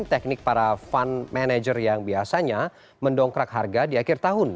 teknik para fund manager yang biasanya mendongkrak harga di akhir tahun